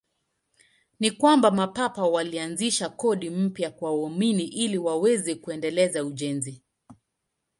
Ni kwamba Mapapa walianzisha kodi mpya kwa waumini ili waweze kuendeleza ujenzi.